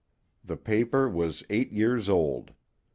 The paper was eight years old.